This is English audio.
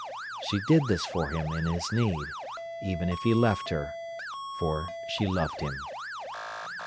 She did this for him in his need, even if he left her, for she loved him.